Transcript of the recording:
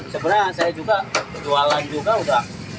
sebenarnya saya juga jualan juga udah